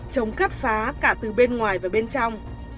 chống cắt phá cả từ bên ngoài và bên trong